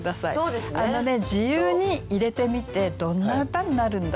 自由に入れてみてどんな歌になるんだろう？